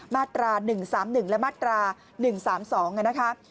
มาตรา๑๓๑และมาตรา๑๓๒นะคะ